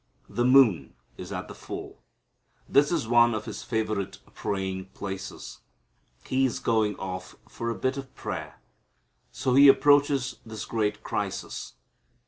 The moon is at the full. This is one of His favorite praying places. He is going off for a bit of prayer. So He approaches this great crisis.